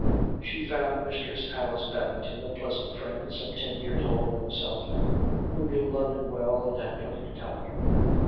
She found Mistress Alice Babington a pleasant friend, some ten years older than herself, who knew London well, and had plenty to tell her.